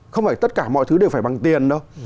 không phải tất cả mọi thứ đều phải bằng tiền đâu